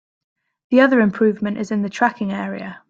The other improvement is in the tracking area.